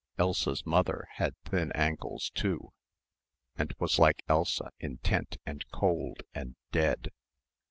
Elsa's mother had thin ankles, too, and was like Elsa intent and cold and dead.